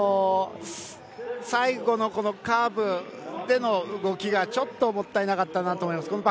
最後のカーブでの動きがちょっともったいなかったなと思います。